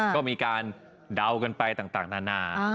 ก็มีการเดาไปต่างหน้า